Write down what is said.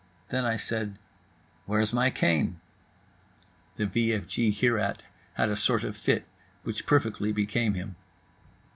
Then I said, "Where's my cane?" The v f g hereat had a sort of fit, which perfectly became him.